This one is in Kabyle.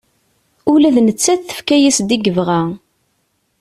Ula d nettat tefka-yas-d i yebɣa.